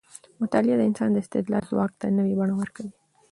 مطالعه د انسان د استدلال ځواک ته نوې بڼه ورکوي.